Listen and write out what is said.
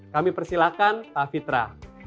kami persilahkan pak fitra